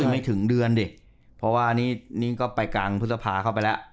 ไม่ถึงเดือนดิเพราะว่านี่ก็ไปกลางพฤษภาเข้าไปแล้ว